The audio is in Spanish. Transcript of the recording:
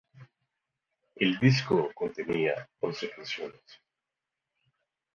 El disco contenía once canciones.